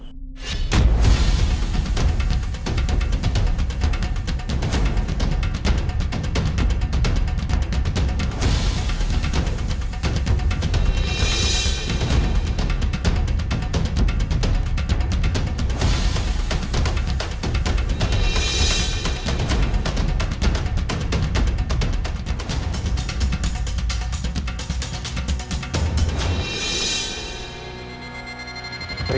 ampun gusti prabu